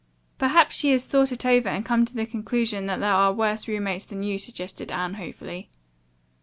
"Perhaps she has thought it over and come to the conclusion that there are worse roommates than you," suggested Anne hopefully.